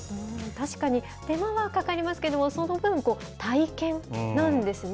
確かに、手間がかかりますけど、その分、体験なんですね。